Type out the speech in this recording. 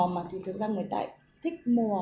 mà thì thực ra người ta thích mua